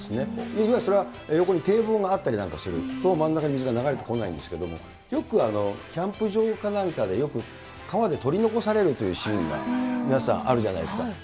いわゆるそれは横に堤防があったりなんかすると、この真ん中に水が流れてこないんですけども、よくキャンプ場かなにかでよく川で取り残されるというシーンが皆さん、あるじゃないですか。